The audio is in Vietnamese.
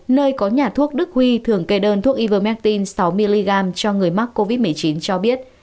nơi có nhà thuốc đức huy thưởng kề đơn thuốc ivermectin sáu mg cho người mắc covid một mươi chín cho biết